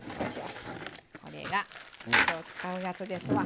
これがきょう使うやつですわ。